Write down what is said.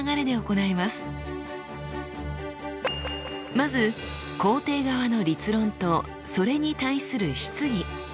まず肯定側の立論とそれに対する質疑。